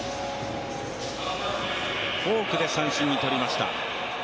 フォークで三振にとりました。